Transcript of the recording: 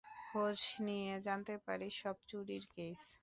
খোঁজ নিয়ে জানতে পারি, সব চুরির কেইস।